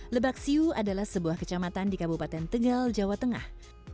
lebak siu adalah sebuah kecamatan di kabupaten tegal jawa tengah